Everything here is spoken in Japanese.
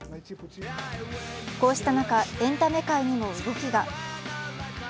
こうした中、エンタメ界にも動きが。